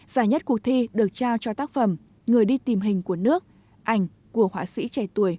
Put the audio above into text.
giải nhất cuộc thi được trao cho tác phẩm người đi tìm hình của nước ảnh của họa sĩ trẻ tuổi